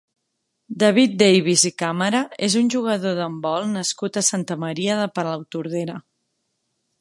David Davis i Càmara és un jugador d'handbol nascut a Santa Maria de Palautordera.